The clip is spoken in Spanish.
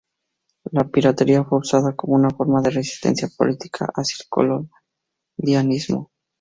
La piratería fue usada como una forma de resistencia política hacia el colonialismo.